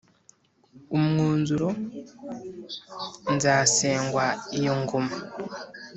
umwuzuro nzasengwa iyo ngoma.